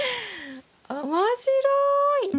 面白い！